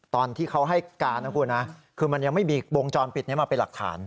ตอนที่เขาให้การนะคุณนะคือมันยังไม่มีวงจรปิดนี้มาเป็นหลักฐาน